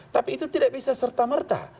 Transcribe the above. tapi itu tidak bisa serta merta